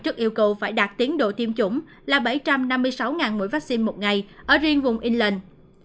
trước yêu cầu phải đạt tiến độ tiêm chủng là bảy trăm năm mươi sáu mũi vaccine một ngày ở riêng vùng england